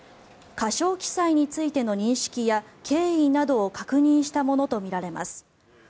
過少記載についての認識や経緯などを確認したものとみられます。